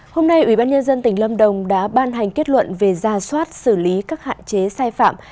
hôm nay ủy ban nhân dân tỉnh lâm đồng đã ban hành kết luận về ra soát xử lý các hạn chế sai phạm